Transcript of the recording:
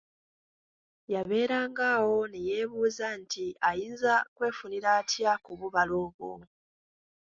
Yabeeranga awo ne yeebuuza nti ayinza kwefunira atya ku bubala obwo?